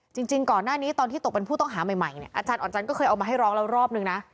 จริงก่อนหน้านี้ตอนที่ตกเป็นผู้ต้องหาใหม่เนี่ยอาจารย์อ่อนจันทร์เคยเอามาให้ร้องแล้วรอบนึงนะ